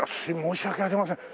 申し訳ありません。